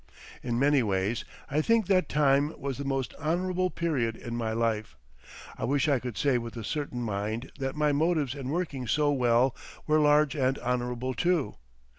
In many ways I think that time was the most honourable period in my life. I wish I could say with a certain mind that my motives in working so well were large and honourable too.